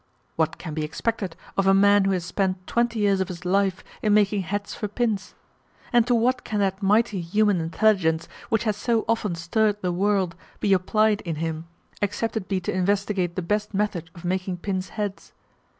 What can be expected of a man who has spent twenty years of his life in making heads for pins? and to what can that mighty human intelligence, which has so often stirred the world, be applied in him, except it be to investigate the best method of making pins' heads?